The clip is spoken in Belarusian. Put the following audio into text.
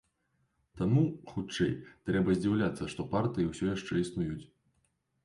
Таму, хутчэй, трэба здзіўляцца, што партыі ўсё яшчэ існуюць.